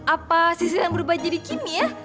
apa sisil yang berubah jadi kimi ya